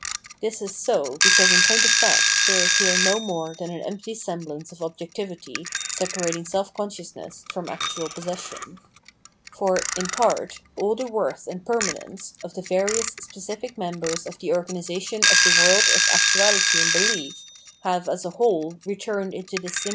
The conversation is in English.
This is so because in point of fact there is here no more than an empty semblance of objectivity separating self consciousness from actual possession. For, in part, all the worth and permanence of the various specific members of the organisation of the world of actuality and belief have as a whole returned into this simple * Refers primarily to tlie regime under tbe Frencli revolutionaries.